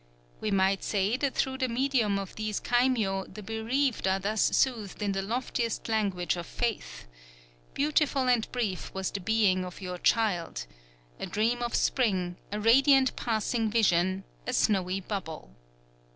We might say that through the medium of these kaimyō the bereaved are thus soothed in the loftiest language of faith: "Beautiful and brief was the being of your child, a dream of spring, a radiant passing vision, a snowy bubble.